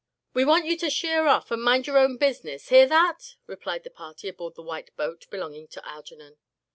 "We want you to sheer off, and mind your own business, hear that?" replied the party aboard the white boat belonging to Algernon.